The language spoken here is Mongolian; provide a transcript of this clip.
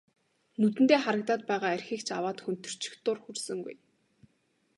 Нүдэндээ харагдаад байгаа архийг ч аваад хөнтөрчих дур хүрсэнгүй.